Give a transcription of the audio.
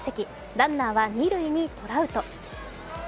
ランナーは二塁にトラウト。